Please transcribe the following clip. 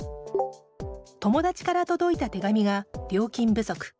友達から届いた手紙が料金不足。